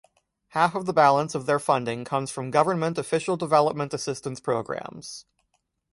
Half of the balance of their funding comes from government official development assistance programmes.